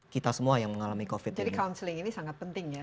kita semua yang mengalami covid jadi counseling ini sangat penting ya